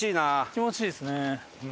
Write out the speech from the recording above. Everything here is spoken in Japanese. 気持ちいいですね。